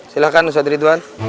silahkan ustadz ridwan